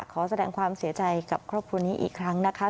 ขอแสดงความเสียใจกับครอบครัวนี้อีกครั้งนะคะ